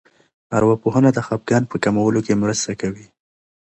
ارواپوهنه د خپګان په کمولو کې مرسته کوي.